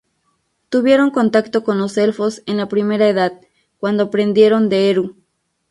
Tuvieron contacto con los elfos en la Primera Edad, cuando aprendieron de Eru.